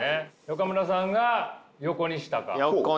岡村さんが横にしたか。